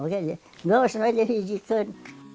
tidak selain itu diizinkan